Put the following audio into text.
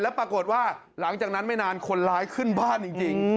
ปรากฏว่าหลังจากนั้นไม่นานคนร้ายขึ้นบ้านจริง